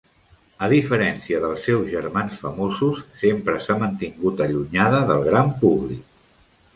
A diferència dels seus germans famosos, sempre s'ha mantingut allunyada del gran públic.